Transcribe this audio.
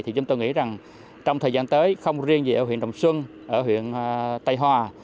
thì chúng tôi nghĩ rằng trong thời gian tới không riêng về ở huyện đồng xuân ở huyện tây hòa